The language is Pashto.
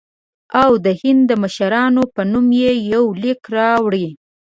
او د هند د مشرانو په نوم یې یو لیک راوړی.